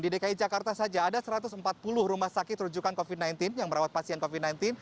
di dki jakarta saja ada satu ratus empat puluh rumah sakit rujukan covid sembilan belas yang merawat pasien covid sembilan belas